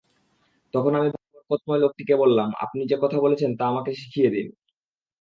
তখন আমি বরকতময় লোকটিকে বললাম, আপনি যে কথা বলেছেন তা আমাকে শিখিয়ে দিন।